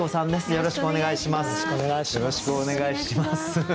よろしくお願いします。